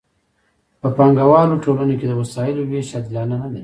په پانګوالو ټولنو کې د وسایلو ویش عادلانه نه دی.